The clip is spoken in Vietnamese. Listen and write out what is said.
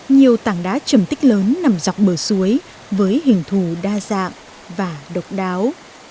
nhiều tảng đá trầm tích lớn nằm dọc bờ suối với hình thù đa dạng và độc đáo